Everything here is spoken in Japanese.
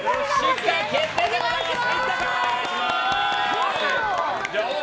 出荷決定でございます！